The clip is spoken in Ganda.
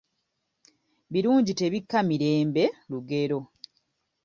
Birungi tebikka mirembe lugero